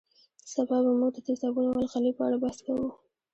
سبا به موږ د تیزابونو او القلي په اړه بحث کوو